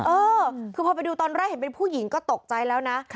เออคือพอไปดูตอนแรกเห็นเป็นผู้หญิงก็ตกใจแล้วนะ